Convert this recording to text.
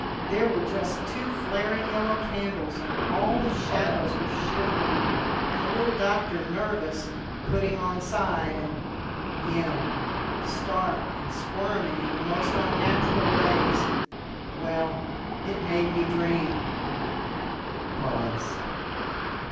There were just two flaring yellow candles, and all the shadows were shivering, and the little doctor nervous and putting on side, and him stark and squirming in the most unnatural ways. Well, it made me dream." Pause.